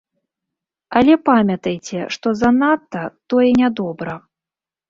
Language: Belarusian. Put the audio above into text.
Але памятайце, што занадта, тое не добра.